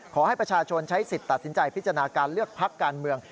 ขอให้ประชาชนใช้สิทธิ์ตัดสินใจพิจารณาการเลือกพักการเมือง